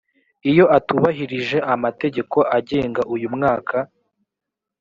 iyo atubahirije amategeko agenga uyu mwaka